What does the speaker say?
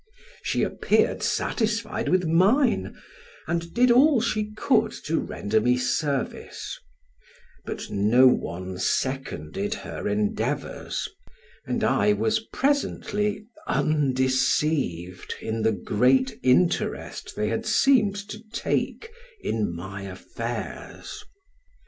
She appeared satisfied with mine, and did all she could to render me service; but no one seconded her endeavors, and I was presently undeceived in the great interest they had seemed to take in my affairs.